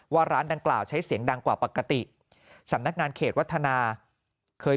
ว่าร้านดังกล่าวใช้เสียงดังกว่าปกติสำนักงานเขตวัฒนาเคย